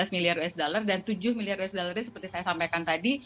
lima belas miliar usd dan tujuh miliar usd seperti saya sampaikan tadi